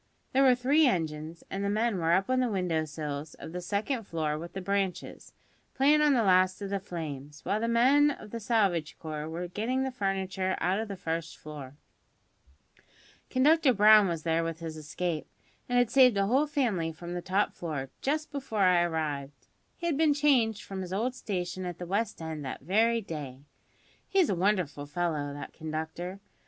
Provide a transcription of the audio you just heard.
There were three engines, and the men were up on the window sills of the second floor with the branches, playin' on the last of the flames, while the men of the salvage corps were getting the furniture out of the first floor. Conductor Brown was there with his escape, and had saved a whole family from the top floor, just before I arrived. He had been changed from his old station at the West End that very day. He's a wonderful fellow, that conductor!